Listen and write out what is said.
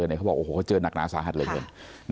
เขาบอกว่าเขาเจอนักนาสาหัสเลยเลย